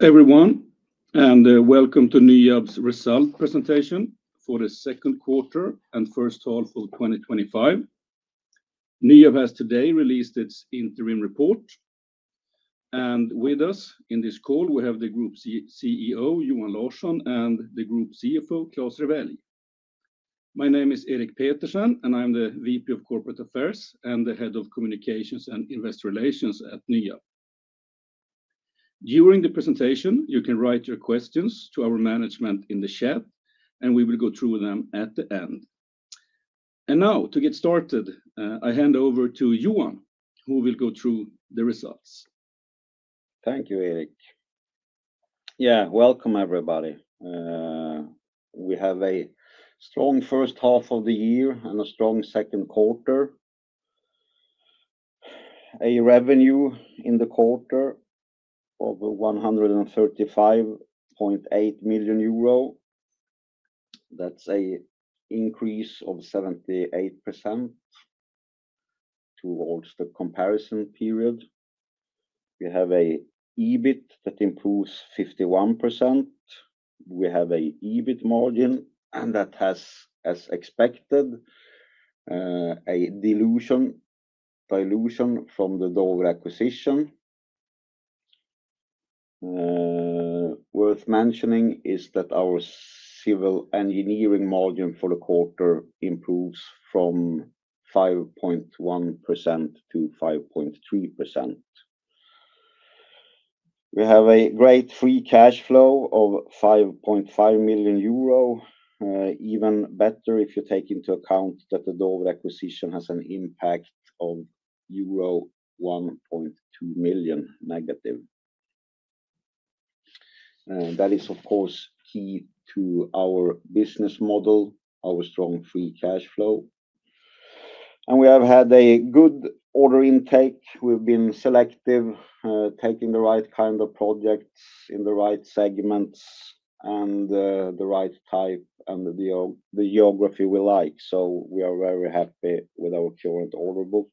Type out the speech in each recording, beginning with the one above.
Hello everyone, and welcome to NYAB's Result Presentation for the Second Quarter and First Half of 2025. NYAB has today released its interim report, and with us in this call, we have the Group CEO, Johan Larsson, and the Group CFO, Klas Rewelj. My name is Erik Petersen, and I'm the VP of Corporate Affairs and the Head of Communications and Investor Relations at NYAB. During the presentation, you can write your questions to our management in the chat, and we will go through them at the end. To get started, I hand over to Johan, who will go through the results. Thank you, Erik. Yeah, welcome everybody. We have a strong first half of the year and a strong second quarter. A revenue in the quarter of 135.8 million euro. That's an increase of 78% towards the comparison period. We have an EBIT that improves 51%. We have an EBIT margin, and that has, as expected, a dilution from the Dover acquisition. Worth mentioning is that our civil engineering margin for the quarter improves from 5.1% - 5.3%. We have a great free cash flow of 5.5 million euro. Even better if you take into account that the Dover acquisition has an impact of - euro 1.2 million. That is, of course, key to our business model, our strong free cash flow. We have had a good order intake. We've been selective, taking the right kind of projects in the right segments and the right type and the geography we like. We are very happy with our current order book,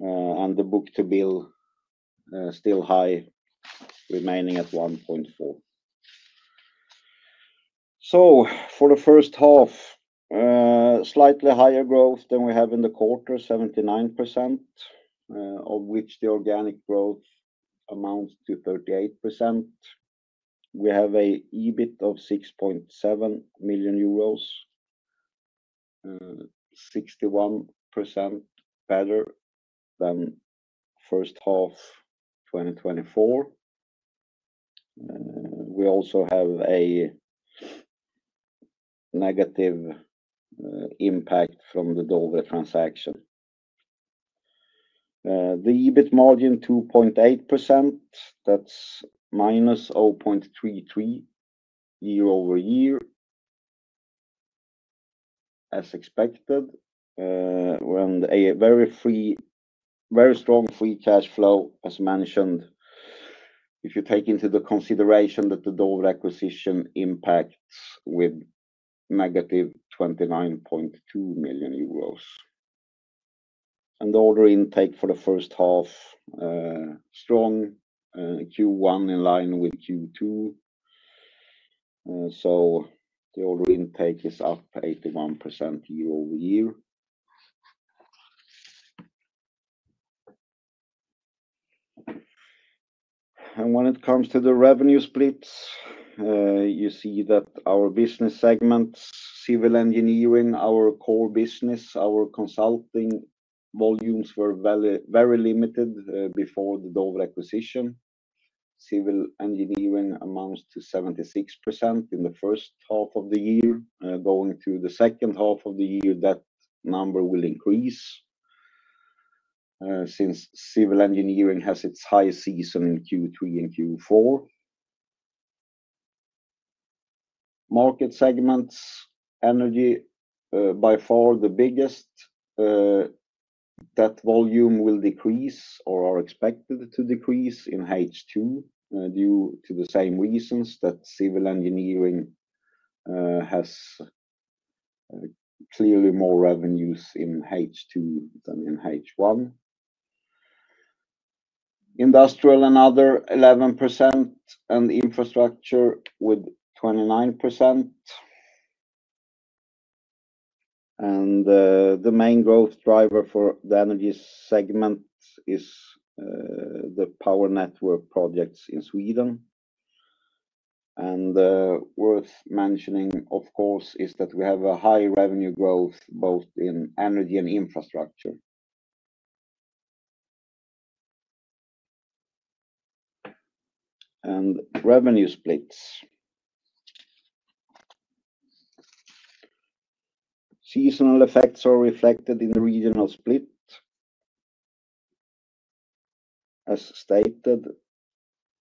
and the book-to-bill is still high, remaining at 1.4. For the first half, slightly higher growth than we have in the quarter, 79%, of which the organic growth amounts to 38%. We have an EBIT of 6.7 million euros, 61% better than the first half of 2024. We also have a negative impact from the Dover transaction. The EBIT margin is 2.8%. That's -0.33% year-over-year, as expected, with a very strong free cash flow, as mentioned, if you take into the consideration that the Dover acquisition impacts with a -29.2 million euros. The order intake for the first half is strong. Q1 in line with Q2. The order intake is up 81% year-over-year. When it comes to the revenue splits, you see that our business segments, civil engineering, our core business, our consulting volumes were very limited before the Dover acquisition. Civil engineering amounts to 76% in the first half of the year. Going through the second half of the year, that number will increase since civil engineering has its high season in Q3 and Q4. Market segments, energy, by far the biggest. That volume will decrease or are expected to decrease in H2 due to the same reasons that civil engineering has clearly more revenues in H2 than in H1. Industrial and other 11%, and infrastructure with 29%. The main growth driver for the energy segment is the power network projects in Sweden. Worth mentioning, of course, is that we have a high revenue growth both in energy and infrastructure. Revenue splits. Seasonal effects are reflected in the regional split. As stated,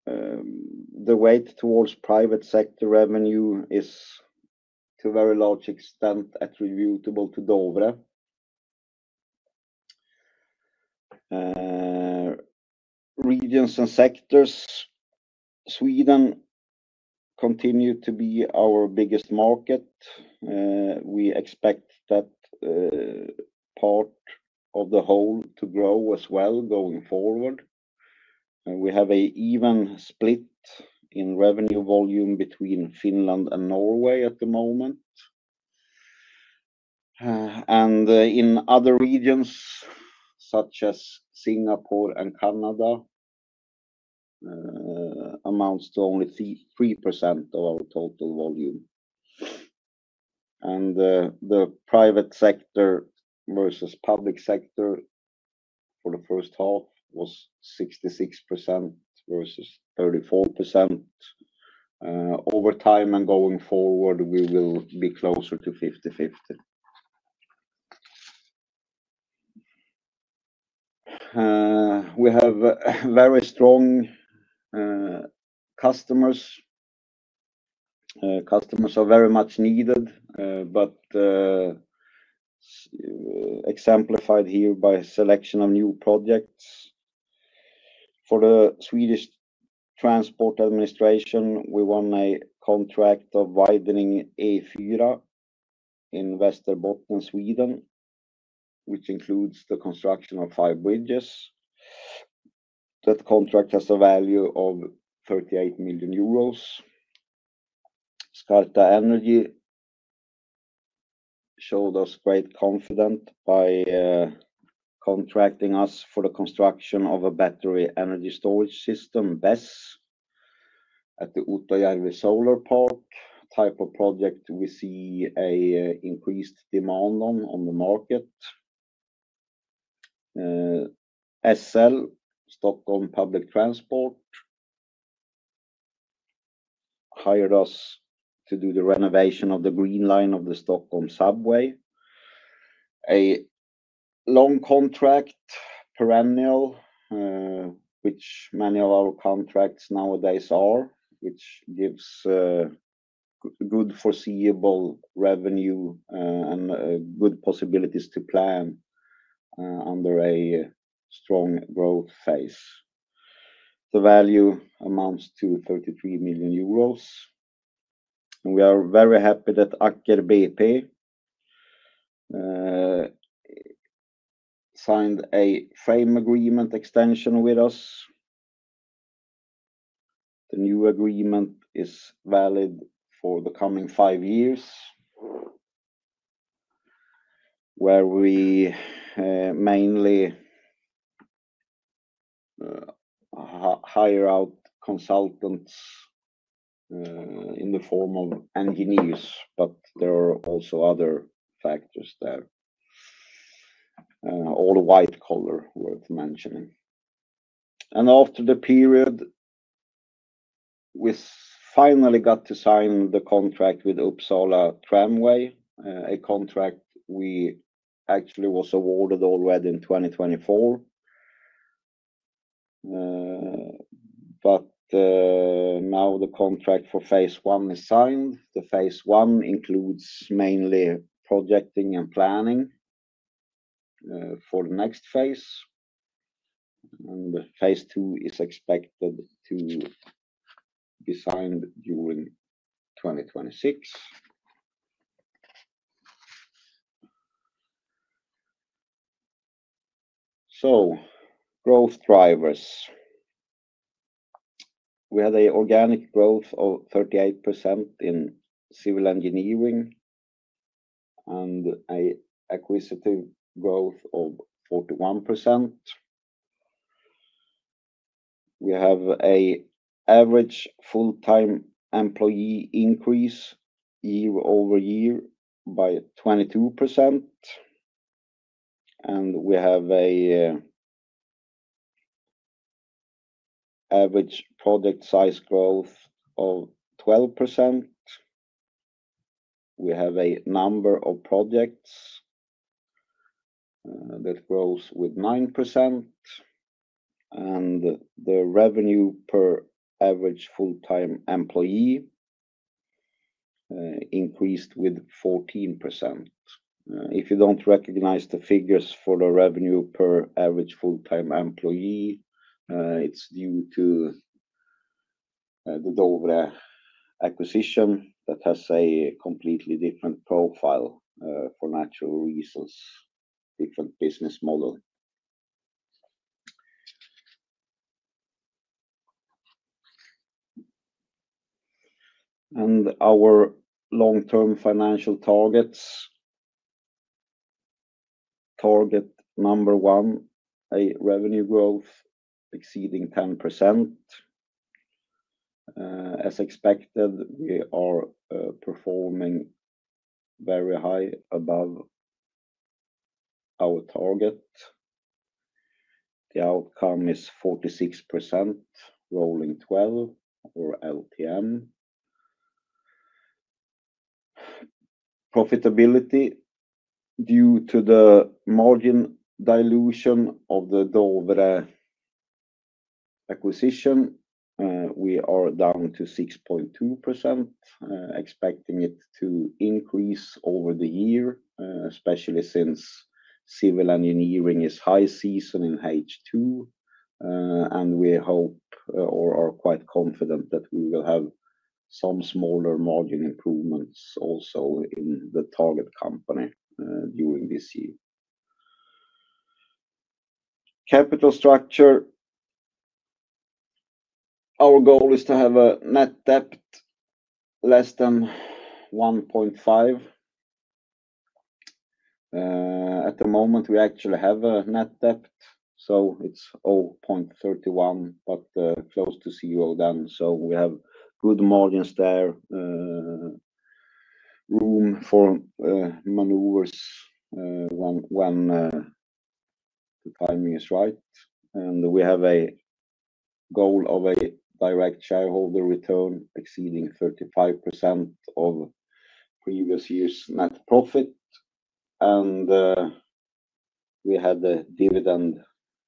the weight towards private sector revenue is, to a very large extent, attributable to Dover. Regions and sectors, Sweden continues to be our biggest market. We expect that part of the whole to grow as well going forward. We have an even split in revenue volume between Finland and Norway at the moment. In other regions, such as Singapore and Canada, it amounts to only 3% of our total volume. The private sector versus public sector for the first half was 66% versus 34%. Over time and going forward, we will be closer to 50/50. We have very strong customers. Customers are very much needed, but exemplified here by a selection of new projects. For the Swedish Transport Administration, we won a contract of widening A4 in Västerbotten, Sweden, which includes the construction of five bridges. That contract has a value of 38 million euros. Skarta Energy showed us great confidence by contracting us for the construction of a battery energy storage system, BESS, at the Utajärvi solar park. Type of project we see an increased demand on the market. SL Stockholm Public Transport hired us to do the renovation of the green line of the Stockholm subway. A long contract, perennial, which many of our contracts nowadays are, which gives good foreseeable revenue and good possibilities to plan under a strong growth phase. The value amounts to 33 million euros. We are very happy that Aker BP signed a same agreement extension with us. The new agreement is valid for the coming five years, where we mainly hire out consultants in the form of engineers, but there are also other factors there. All the white collar worth mentioning. After the period, we finally got to sign the contract with Uppsala Tramway, a contract we actually were awarded already in 2024. Now the contract for phase I is signed. The phase I includes mainly projecting and planning for the next phase. phase II is expected to be signed during 2026. Growth drivers. We had an organic growth of 38% in civil engineering and an acquisitive growth of 41%. We have an average full-time employee increase year-over-year by 22%. We have an average project size growth of 12%. We have a number of projects that grow with 9%. The revenue per average full-time employee increased with 14%. If you don't recognize the figures for the revenue per average full-time employee, it's due to the Dover acquisition that has a completely different profile for natural reasons, a different business model. Our long-term financial targets: target number one, a revenue growth exceeding 10%. As expected, we are performing very high above our target. The outcome is 46% rolling 12, or LTM. Profitability, due to the margin dilution of the Dover acquisition, we are down to 6.2%, expecting it to increase over the year, especially since civil engineering is high season in H2. We hope or are quite confident that we will have some smaller margin improvements also in the target company during this year. Capital structure, our goal is to have a net debt less than 1.5. At the moment, we actually have a net debt, so it's 0.31, but close to zero then. We have good margins there, room for maneuvers when the timing is right. We have a goal of a direct shareholder return exceeding 35% of previous year's net profit. We had a dividend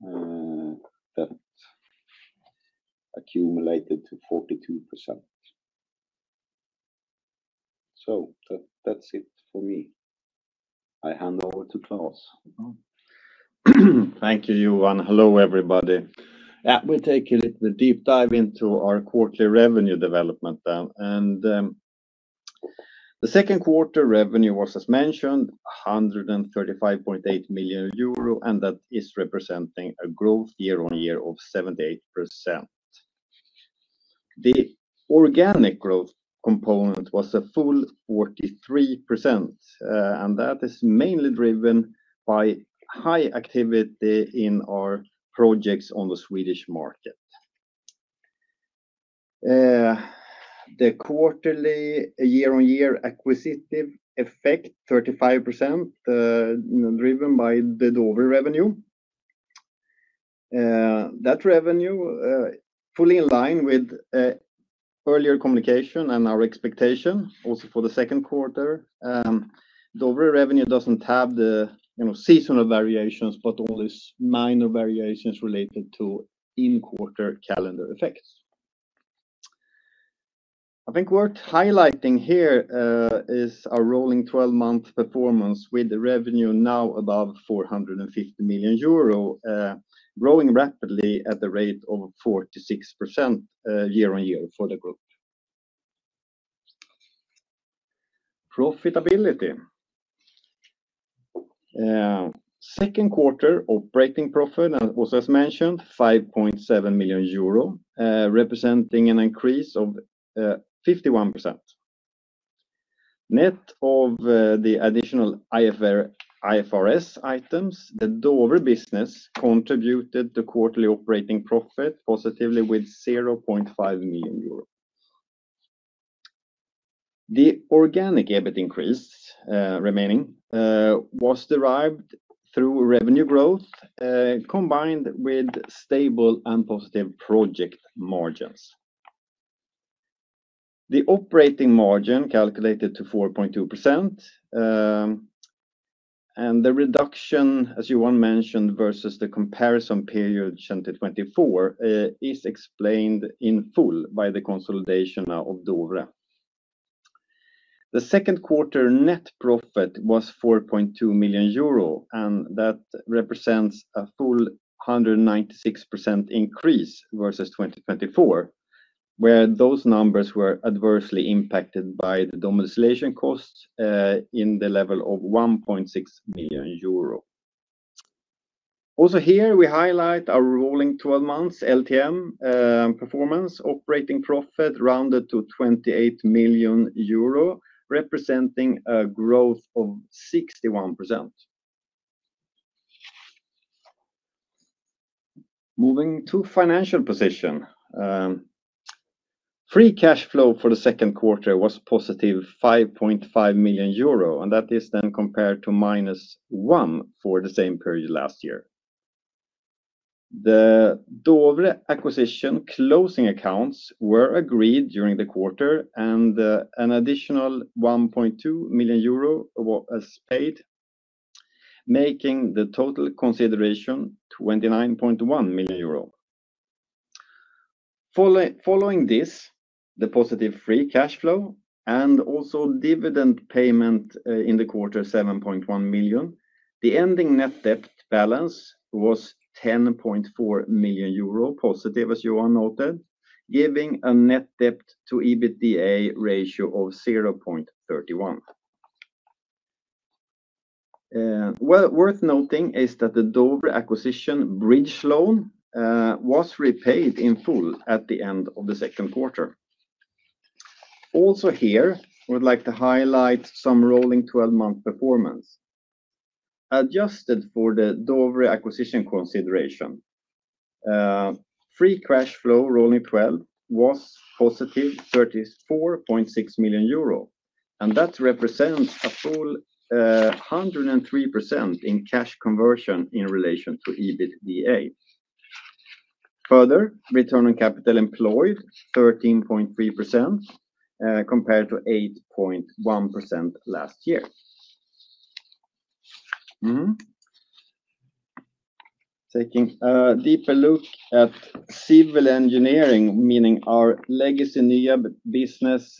that accumulated 42%. That's it for me. I hand over to Klas. Thank you, Johan. Hello, everybody. We'll take a little deep dive into our quarterly revenue development then. The second quarter revenue was, as mentioned, 135.8 million euro, and that is representing a growth year-on-year of 78%. The organic growth component was a full 43%, and that is mainly driven by high activity in our projects on the Swedish market. The quarterly year-on-year acquisitive effect, 35%, driven by the Dover revenue. That revenue fully in line with earlier communication and our expectation also for the second quarter. Dover revenue doesn't have the seasonal variations, but only minor variations related to in-quarter calendar effects. I think worth highlighting here is our rolling 12-month performance with the revenue now above 450 million euro, growing rapidly at the rate of 46% year-on-year for the group. Profitability, second quarter operating profit, and also as mentioned, 5.7 million euro, representing an increase of 51%. Net of the additional IFRS items, the Dover business contributed to quarterly operating profit positively with 0.5 million euros. The organic EBIT increase remaining was derived through revenue growth combined with stable and positive project margins. The operating margin calculated to 4.2%. The reduction, as Johan mentioned, versus the comparison period 2024 is explained in full by the consolidation of Dover. The second quarter net profit was 4.2 million euro, and that represents a full 196% increase versus 2024, where those numbers were adversely impacted by the domiciliation costs in the level of 1.6 million euro. Also here, we highlight our rolling 12 months LTM performance. Operating profit rounded to 28 million euro, representing a growth of 61%. Moving to financial position, free cash flow for the second quarter was +5.5 million euro, and that is then compared to -1 million for the same period last year. The Dover acquisition closing accounts were agreed during the quarter, and an additional 1.2 million euro was paid, making the total consideration 29.1 million euro. Following this, the positive free cash flow and also dividend payment in the quarter, 7.1 million. The ending net debt balance was +10.4 million euro, as Johan noted, giving a net debt-to-EBITDA ratio of 0.31. Worth noting is that the Dover acquisition bridge loan was repaid in full at the end of the second quarter. Also here, I would like to highlight some rolling 12-month performance adjusted for the Dover acquisition consideration. Free cash flow rolling 12 was +34.6 million euro, and that represents a full 103% in cash conversion in relation to EBITDA. Further, return on capital employed 13.3% compared to 8.1% last year. Taking a deeper look at civil engineering, meaning our legacy NYAB business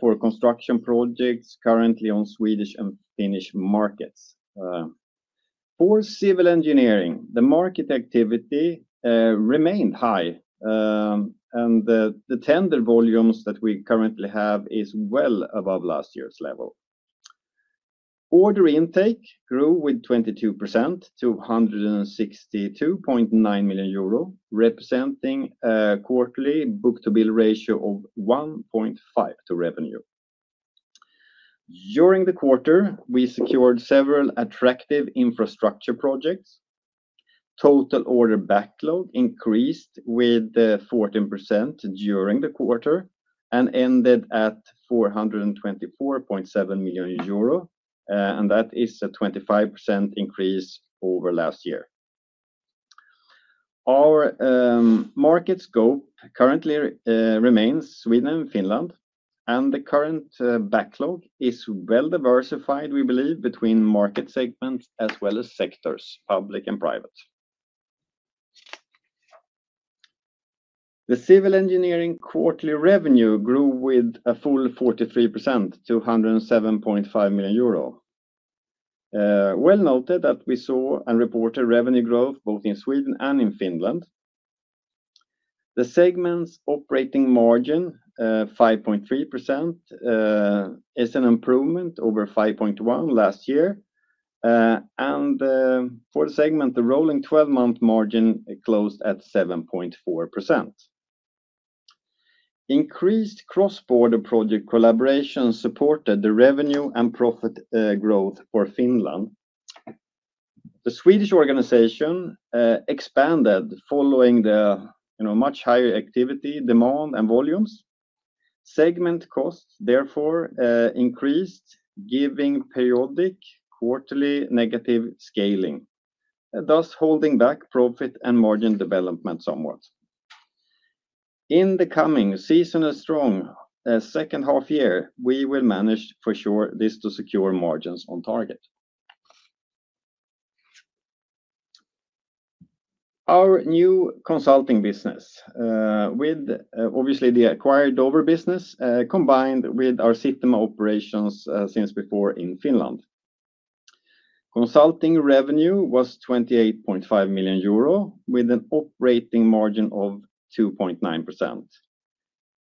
for construction projects currently on Swedish and Finnish markets. For civil engineering, the market activity remained high, and the tender volumes that we currently have are well above last year's level. Order intake grew with 22% to 162.9 million euro, representing a quarterly book-to-bill ratio of 1.5 to revenue. During the quarter, we secured several attractive infrastructure projects. Total order backlog increased with 14% during the quarter and ended at 424.7 million euro, and that is a 25% increase over last year. Our market scope currently remains Sweden and Finland, and the current backlog is well diversified, we believe, between market segments as well as sectors, public and private. The civil engineering quarterly revenue grew with a full 43% to 107.5 million euro. It is noted that we saw and reported revenue growth both in Sweden and in Finland. The segment's operating margin, 5.3%, is an improvement over 5.1% last year. For the segment, the rolling 12-month margin closed at 7.4%. Increased cross-border project collaboration supported the revenue and profit growth for Finland. The Swedish organization expanded following the much higher activity, demand, and volumes. Segment costs therefore increased, giving periodic quarterly negative scaling, thus holding back profit and margin development somewhat. In the coming seasonal strong second half year, we will manage for sure this to secure margins on target. Our new consulting business, with obviously the acquired Dover business combined with our sitting operations since before in Finland. Consulting revenue was 28.5 million euro with an operating margin of 2.9%.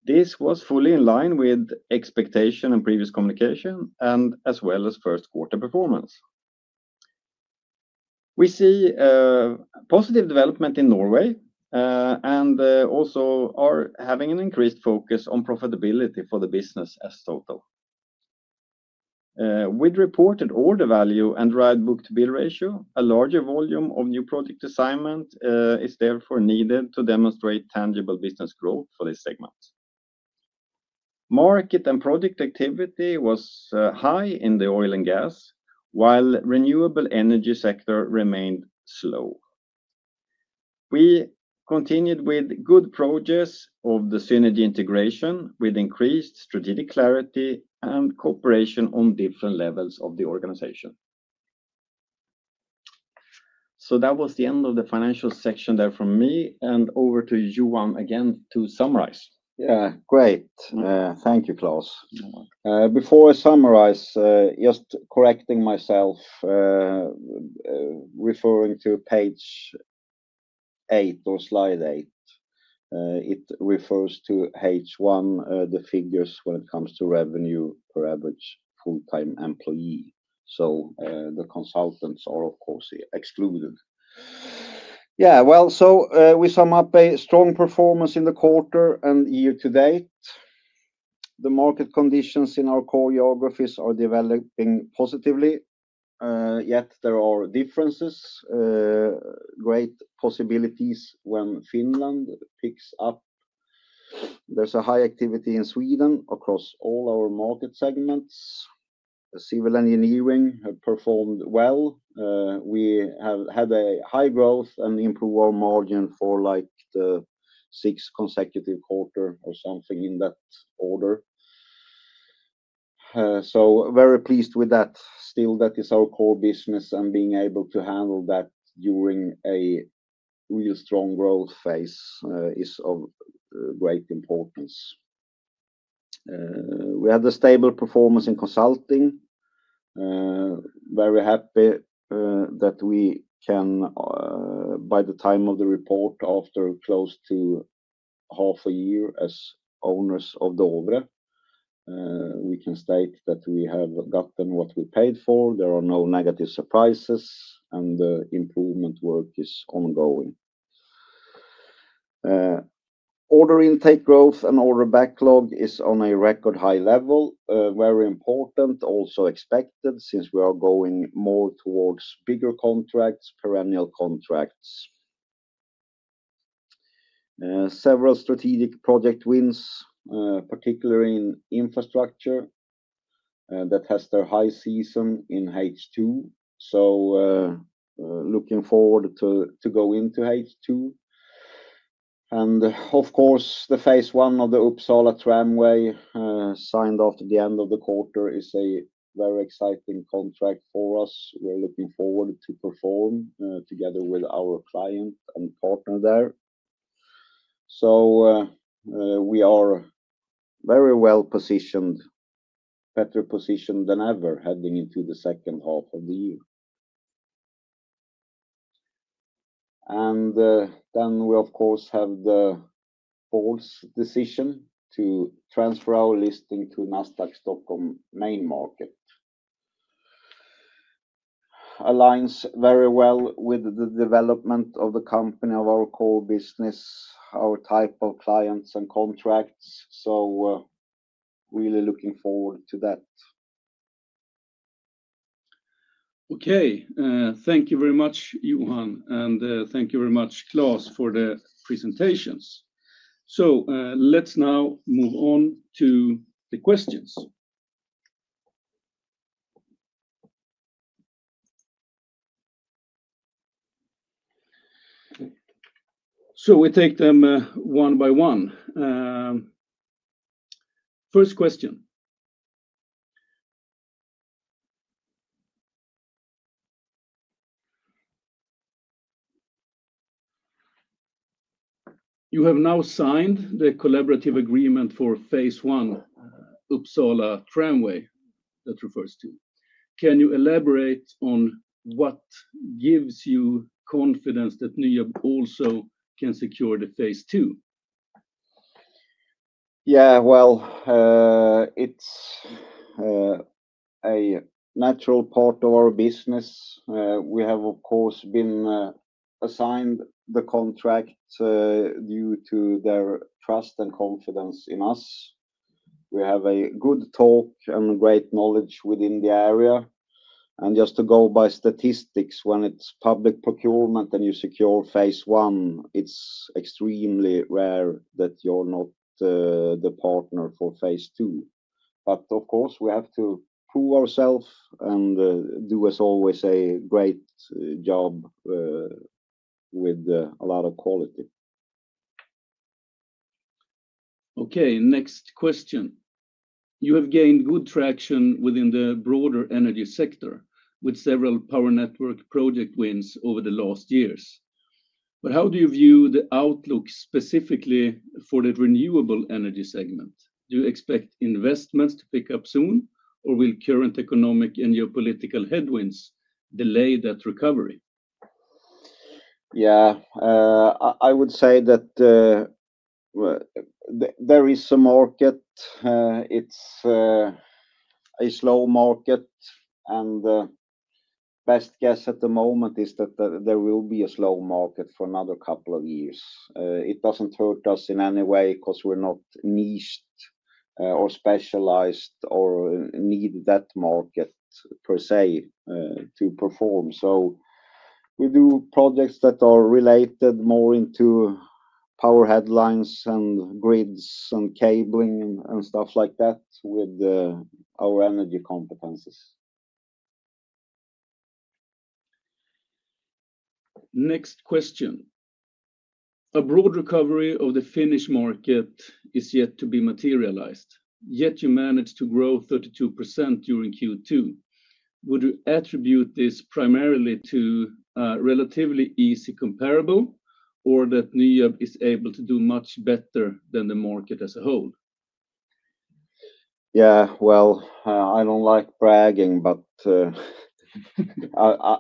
This was fully in line with expectation and previous communication, and as well as first quarter performance. We see positive development in Norway and also are having an increased focus on profitability for the business as a total. With reported order value and right book-to-bill ratio, a larger volume of new project assignment is therefore needed to demonstrate tangible business growth for this segment. Market and project activity was high in the oil and gas, while the renewable energy sector remained slow. We continued with good approaches of the synergy integration with increased strategic clarity and cooperation on different levels of the organization. That was the end of the financial section there from me, and over to Johan again to summarize. Great. Thank you, Klas. Before I summarize, just correcting myself, referring to page eight or slide eight, it refers to H1, the figures when it comes to revenue per average full-time employee. The consultants are, of course, excluded. We sum up a strong performance in the quarter and year to date. The market conditions in our core geographies are developing positively. Yet there are differences, great possibilities when Finland picks up. There's a high activity in Sweden across all our market segments. Civil engineering has performed well. We have had a high growth and improved our margin for like the sixth consecutive quarter or something in that order. Very pleased with that. Still, that is our core business, and being able to handle that during a real strong growth phase is of great importance. We had a stable performance in consulting. Very happy that we can, by the time of the report, after close to half a year as owners of Dover, we can state that we have gotten what we paid for. There are no negative surprises, and the improvement work is ongoing. Order intake growth and order backlog is on a record high level. Very important, also expected since we are going more towards bigger contracts, perennial contracts. Several strategic project wins, particularly in infrastructure, that has their high season in H2. Looking forward to going to H2. Of course, the phase I of the Uppsala Tramway signed after the end of the quarter is a very exciting contract for us. We're looking forward to perform together with our client and partner there. We are very well positioned, better positioned than ever heading into the second half of the year. We, of course, had the formal decision to transfer our listing to Nasdaq Stockholm Main Market. This aligns very well with the development of the company, our core business, our type of clients and contracts. Really looking forward to that. Okay. Thank you very much, Johan. And thank you very much, Klas, for the presentations. Let's now move on to the questions. We take them one by one. First question. You have now signed the collaborative agreement for phase I, Uppsala Tramway, that refers to. Can you elaborate on what gives you confidence that NYAB also can secure the phase II? Yeah, it's a natural part of our business. We have, of course, been assigned the contract due to their trust and confidence in us. We have a good talk and great knowledge within the area. Just to go by statistics, when it's public procurement and you secure phase I, it's extremely rare that you're not the partner for phase II. Of course, we have to prove ourselves and do, as always, a great job with a lot of quality. Okay. Next question. You have gained good traction within the broader energy sector with several power network project wins over the last years. How do you view the outlook specifically for the renewable energy segment? Do you expect investments to pick up soon, or will current economic and geopolitical headwinds delay that recovery? Yeah, I would say that there is a market. It's a slow market, and the best guess at the moment is that there will be a slow market for another couple of years. It doesn't hurt us in any way because we're not niched or specialized or need that market per se to perform. We do projects that are related more into power headlines and grids and cabling and stuff like that with our energy competencies. Next question. A broad recovery of the Finnish market is yet to be materialized, yet you managed to grow 32% during Q2. Would you attribute this primarily to a relatively easy comparable, or that NYAB is able to do much better than the market as a whole? I don't like bragging, but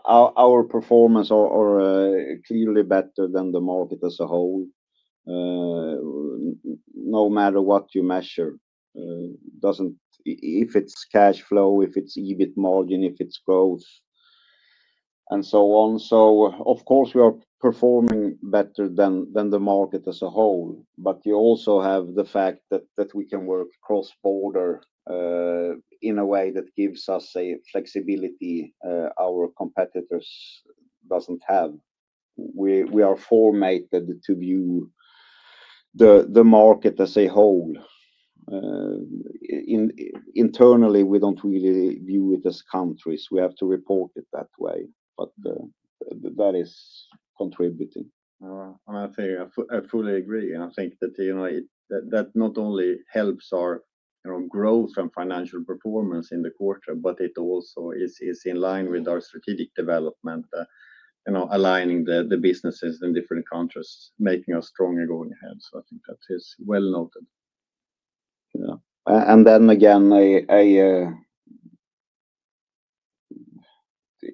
our performance is clearly better than the market as a whole. No matter what you measure, it doesn't matter if it's cash flow, if it's EBIT margin, if it's growth, and so on. Of course, we are performing better than the market as a whole. You also have the fact that we can work cross-border in a way that gives us a flexibility our competitors don't have. We are formatted to view the market as a whole. Internally, we don't really view it as countries. We have to report it that way, but that is contributing. I fully agree. I think that not only helps our growth and financial performance in the quarter, but it also is in line with our strategic development, aligning the businesses in different countries, making us strong and going ahead. I think that is well noted.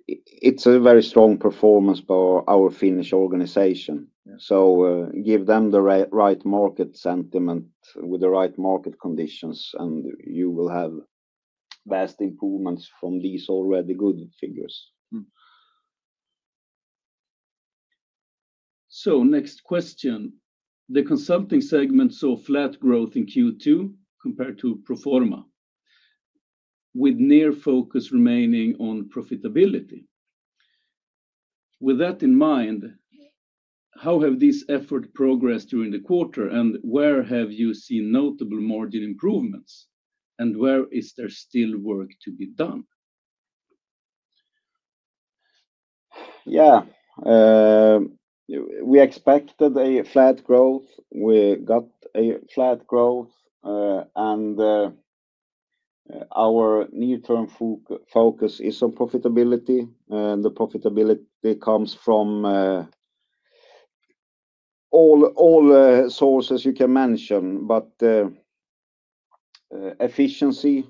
It is a very strong performance by our Finnish organization. Given the right market sentiment with the right market conditions, you will have vast improvements from these already good figures. The consulting segment saw flat growth in Q2 compared to Proforma, with near focus remaining on profitability. With that in mind, how have these efforts progressed during the quarter, and where have you seen notable margin improvements, and where is there still work to be done? Yeah. We expected a flat growth. We got a flat growth. Our near-term focus is on profitability. The profitability comes from all sources you can mention. Efficiency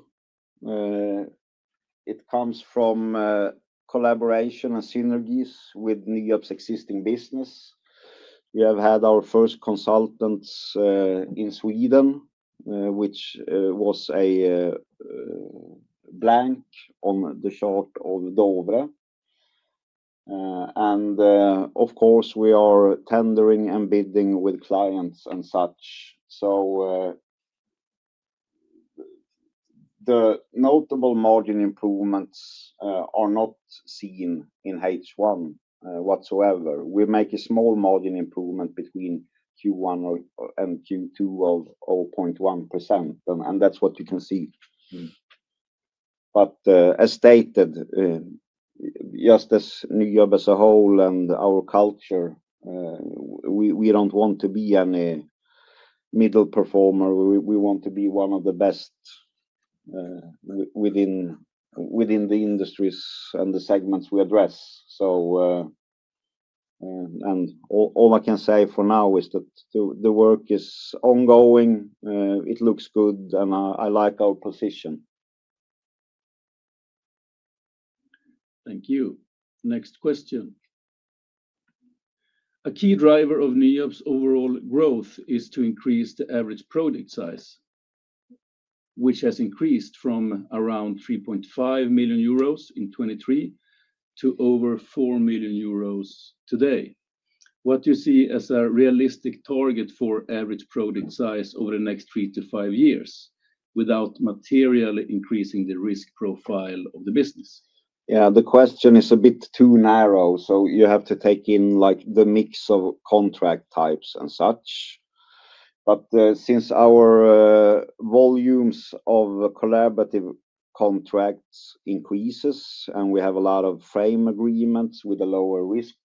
comes from collaboration and synergies with NYAB's existing business. We have had our first consultants in Sweden, which was a blank on the chart of Dover. Of course, we are tendering and bidding with clients and such. The notable margin improvements are not seen in H1 whatsoever. We make a small margin improvement between Q1 and Q2 of 0.1%. That's what you can see. As stated, just as NYAB as a whole and our culture, we don't want to be any middle performer. We want to be one of the best within the industries and the segments we address. All I can say for now is that the work is ongoing. It looks good, and I like our position. Thank you. Next question. A key driver of NYAB's overall growth is to increase the average project size, which has increased from around 3.5 million euros in 2023 to over 4 million euros today. What do you see as a realistic target for average project size over the next three to five years without materially increasing the risk profile of the business? The question is a bit too narrow, so you have to take in the mix of contract types and such. Since our volumes of collaborative contracts increase, and we have a lot of frame agreements with a lower risk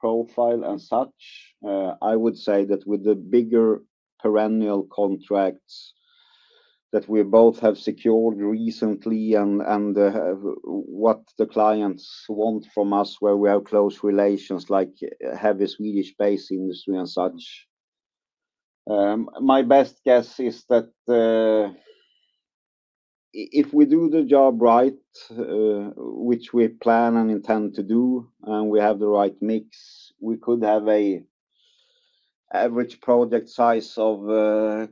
profile and such, I would say that with the bigger perennial contracts that we both have secured recently and what the clients want from us where we have close relations, like heavy Swedish-based industry and such, my best guess is that if we do the job right, which we plan and intend to do, and we have the right mix, we could have an average project size of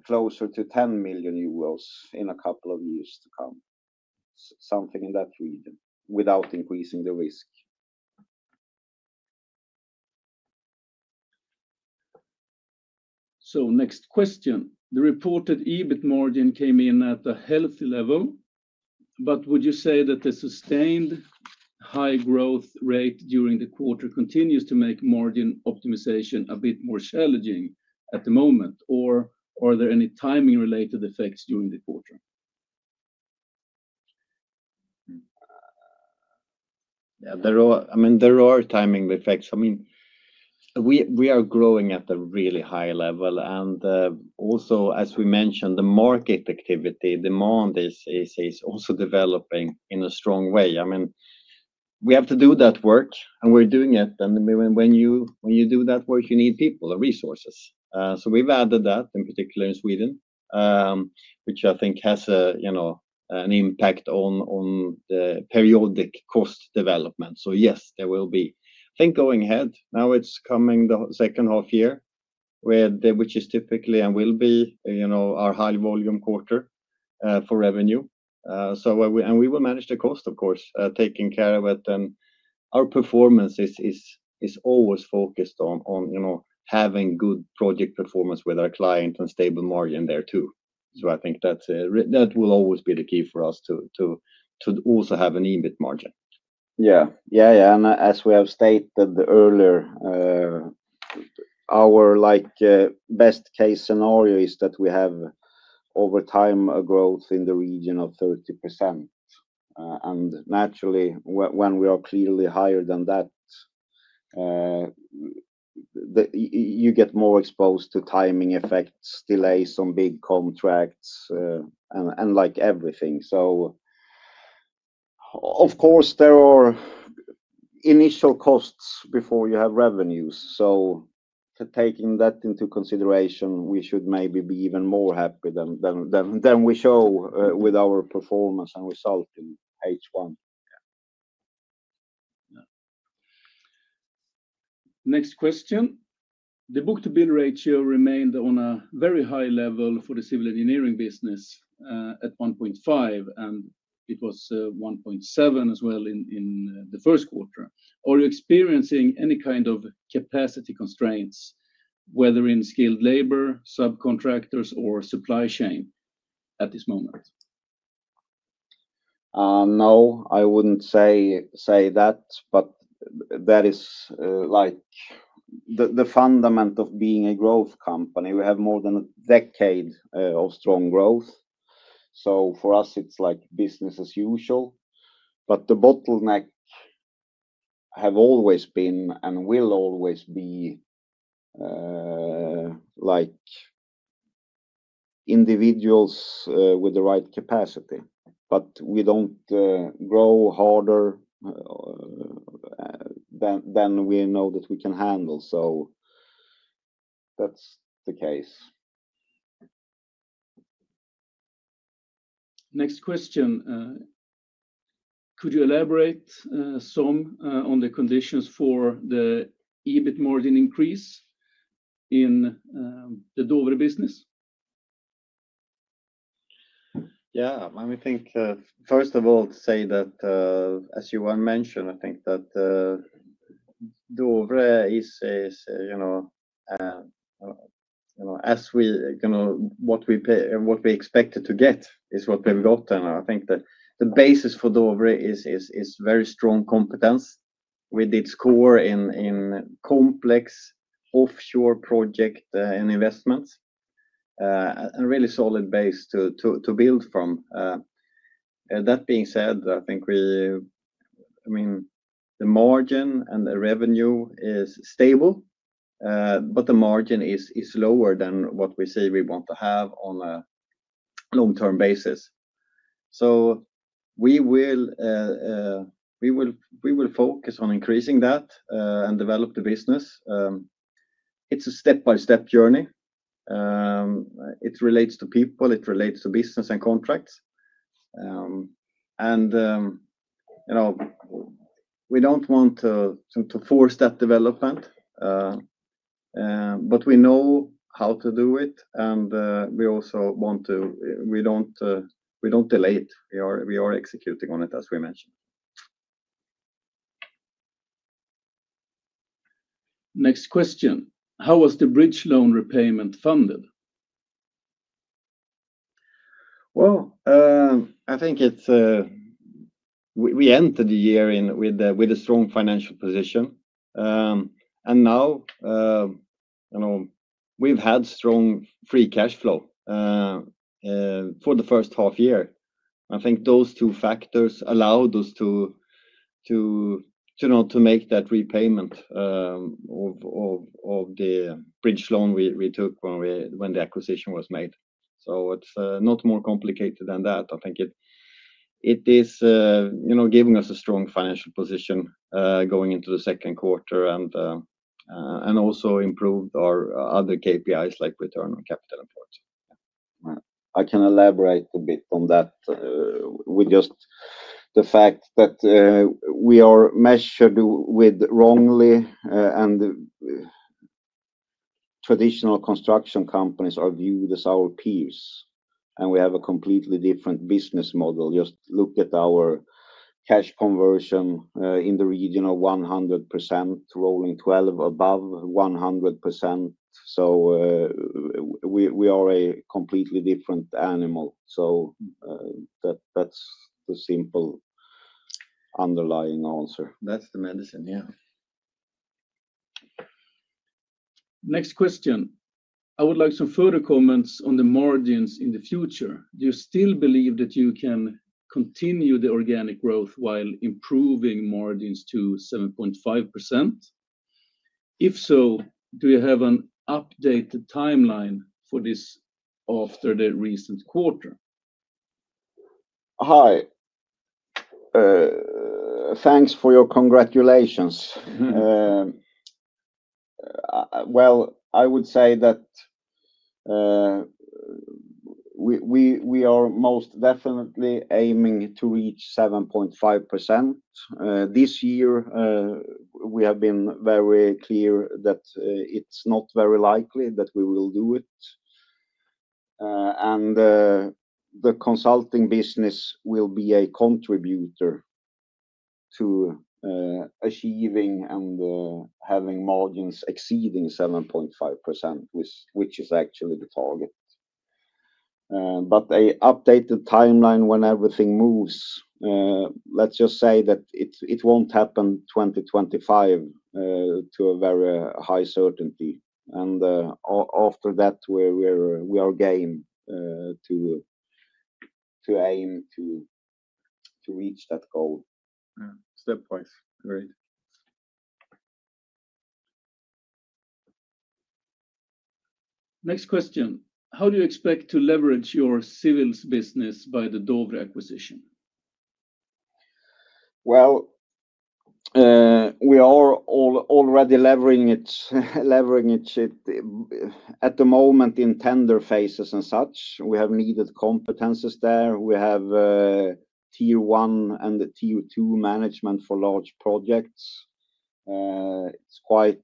closer to 10 million euros in a couple of years to come. Something in that region without increasing the risk. The reported EBIT margin came in at a healthy level, but would you say that the sustained high growth rate during the quarter continues to make margin optimization a bit more challenging at the moment, or are there any timing-related effects during the quarter? Yeah, I mean, there are timing effects. I mean, we are growing at a really high level. Also, as we mentioned, the market activity and demand is also developing in a strong way. I mean, we have to do that work, and we're doing it. When you do that work, you need people and resources. We've added that, in particular in Sweden, which I think has an impact on the periodic cost development. Yes, there will be. I think going ahead, now it's coming the second half year, which is typically and will be our high-volume quarter for revenue. We will manage the cost, of course, taking care of it. Our performance is always focused on having good project performance with our client and stable margin there too. I think that will always be the key for us to also have an EBIT margin. Yeah. As we have stated earlier, our best-case scenario is that we have over time a growth in the region of 30%. Naturally, when we are clearly higher than that, you get more exposed to timing effects, delays on big contracts, and like everything. Of course, there are initial costs before you have revenues. Taking that into consideration, we should maybe be even more happy than we show with our performance and result in H1. Next question. The book-to-bill ratio remained on a very high level for the civil engineering business at 1.5, and it was 1.7 as well in the first quarter. Are you experiencing any kind of capacity constraints, whether in skilled labor, subcontractors, or supply chain at this moment? No, I wouldn't say that, but that is like the fundament of being a growth company. We have more than a decade of strong growth, so for us, it's like business as usual. The bottlenecks have always been and will always be individuals with the right capacity. We don't grow harder than we know that we can handle. That's the case. Next question. Could you elaborate some on the conditions for the EBIT margin increase in the Dover business? First of all, to say that, as Johan mentioned, I think that Dover is, you know, as we're going to what we expected to get is what we've gotten. I think that the basis for Dover is very strong competence with its core in complex offshore projects and investments, a really solid base to build from. That being said, I think we, I mean, the margin and the revenue is stable, but the margin is lower than what we say we want to have on a long-term basis. We will focus on increasing that and develop the business. It's a step-by-step journey. It relates to people. It relates to business and contracts. We don't want to force that development, but we know how to do it. We also want to, we don't delay it. We are executing on it, as we mentioned. Next question. How was the bridge loan repayment funded? I think we entered the year with a strong financial position. You know, we've had strong free cash flow for the first half year. I think those two factors allowed us to make that repayment of the bridge loan we took when the acquisition was made. It is not more complicated than that. I think it is giving us a strong financial position going into the second quarter and also improved our other KPIs like return on capital import. I can elaborate a bit on that with just the fact that we are measured wrongly, and traditional construction companies are viewed as our peers. We have a completely different business model. Just look at our cash conversion in the region of 100%, rolling 12 above 100%. We are a completely different animal. That's the simple underlying answer. That's the medicine, yeah. Next question. I would like some further comments on the margins in the future. Do you still believe that you can continue the organic growth while improving margins to 7.5%? If so, do you have an updated timeline for this after the recent quarter? Hi. Thanks for your congratulations. I would say that we are most definitely aiming to reach 7.5%. This year, we have been very clear that it's not very likely that we will do it. The consulting business will be a contributor to achieving and having margins exceeding 7.5%, which is actually the target. An updated timeline when everything moves, let's just say that it won't happen 2025 to a very high certainty. After that, we are game to aim to reach that goal. Stepwise. Great. Next question. How do you expect to leverage your civils business by the Dover acquisition? We are already leveraging it at the moment in tender phases and such. We have needed competencies there. We have Tier 1 and Tier 2 management for large projects. It's quite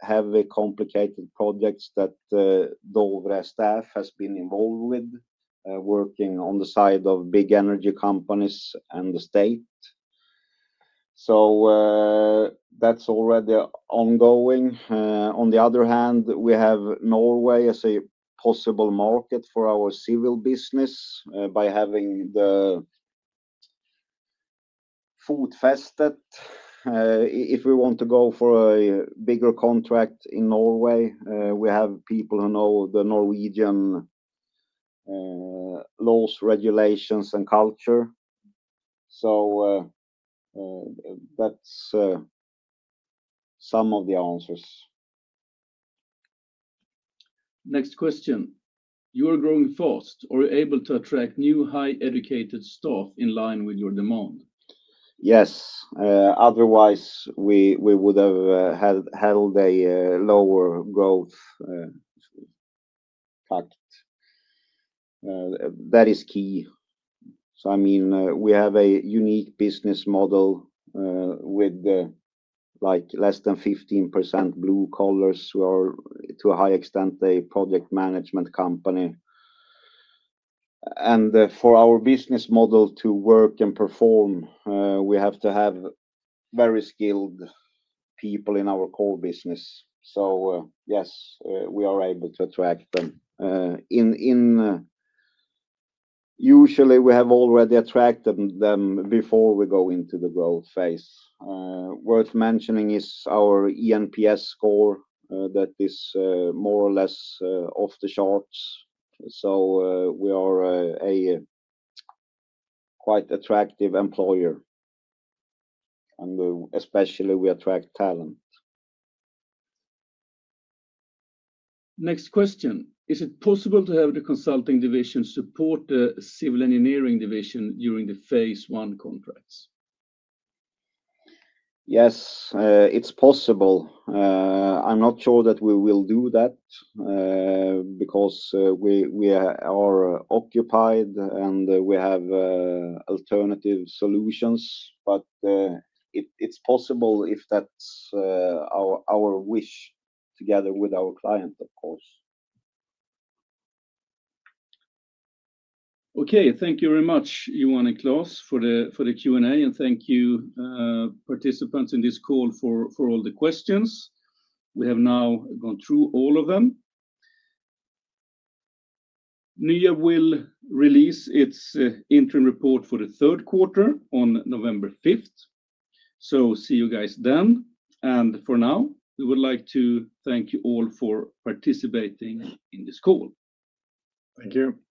heavy, complicated projects that Dover staff has been involved with, working on the side of big energy companies and the state. That's already ongoing. On the other hand, we have Norway as a possible market for our civil business by having the foothold. If we want to go for a bigger contract in Norway, we have people who know the Norwegian laws, regulations, and culture. That's some of the answers. Next question. You are growing fast. Are you able to attract new highly educated staff in line with your demand? Yes. Otherwise, we would have had a lower growth packet. That is key. I mean, we have a unique business model with less than 15% blue collars. We are, to a high extent, a project management company. For our business model to work and perform, we have to have very skilled people in our core business. Yes, we are able to attract them. Usually, we have already attracted them before we go into the growth phase. Worth mentioning is our ENPS score that is more or less off the charts. We are a quite attractive employer, and especially we attract talent. Next question. Is it possible to have the consulting segment support the civil engineering division during the phase I contracts? Yes, it's possible. I'm not sure that we will do that because we are occupied and we have alternative solutions. It's possible if that's our wish together with our client, of course. Okay. Thank you very much, Johan and Klas, for the Q&A, and thank you, participants in this call, for all the questions. We have now gone through all of them. NYAB will release its interim report for the third quarter on November 5. See you guys then. For now, we would like to thank you all for participating in this call. Thank you.